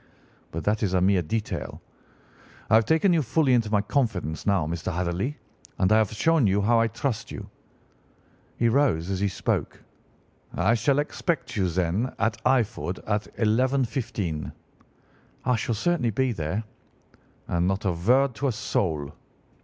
But that is a mere detail. I have taken you fully into my confidence now, Mr. Hatherley, and I have shown you how I trust you.' He rose as he spoke. 'I shall expect you, then, at Eyford at 11:15.' "'I shall certainly be there.' "'And not a word to a soul.